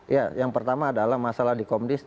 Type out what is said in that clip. ya yang pertama adalah masalah di komdis